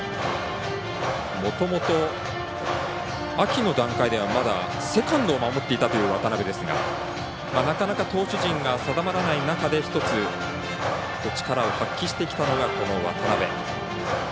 もともと、秋の段階ではセカンドを守っていたという渡邊ですがなかなか、投手陣が定まらない中で１つ力を発揮したのが渡邊。